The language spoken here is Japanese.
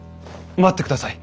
待ってください。